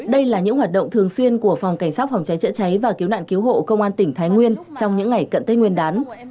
đây là những hoạt động thường xuyên của phòng cảnh sát phòng cháy chữa cháy và cứu nạn cứu hộ công an tỉnh thái nguyên trong những ngày cận tết nguyên đán